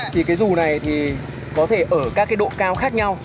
thì cái dù này thì có thể ở các cái độ cao khác nhau